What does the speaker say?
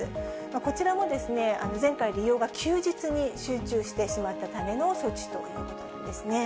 こちらも前回、利用が休日に集中してしまったための措置ということなんですね。